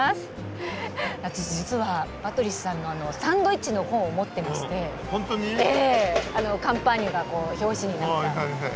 実はパトリスさんのサンドイッチの本を持っていましてカンパーニュが表紙になった。